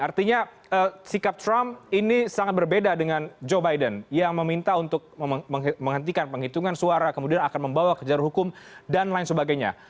artinya sikap trump ini sangat berbeda dengan joe biden yang meminta untuk menghentikan penghitungan suara kemudian akan membawa kejar hukum dan lain sebagainya